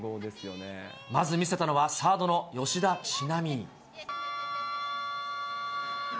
まず見せたのは、サードの吉田知那美。